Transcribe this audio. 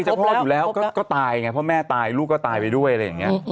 จะพ่ออยู่แล้วก็ตายไงเพราะแม่ตายลูกก็ตายไปด้วยอะไรอย่างนี้